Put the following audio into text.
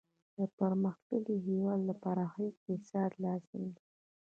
د پرمختللي هیواد لپاره ښه اقتصاد لازم دی